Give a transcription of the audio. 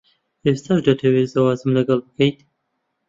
ئێستاش دەتەوێت زەواجم لەگەڵ بکەیت؟